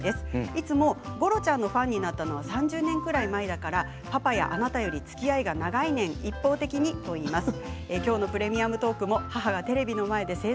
いつもごろちゃんのファンになったのは３０年ぐらい前だからパパやあなたよりつきあいが長いねん、一方的にと言っています。